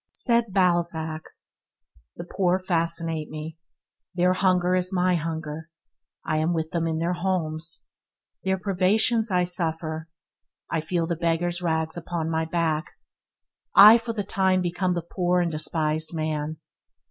Said Balzac – "The poor fascinate me; their hunger is my hunger; I am with them in their homes; their privations I suffer; I feel the beggar's rags upon my back; I for the time being become the poor and despised man."